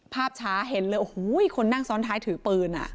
ภาพช้าเห็นเลยโอ้โหคนนั่งซ้อนท้ายถือปืน